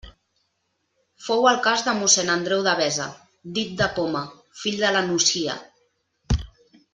Fou el cas de mossén Andreu Devesa, dit de Poma, fill de la Nucia.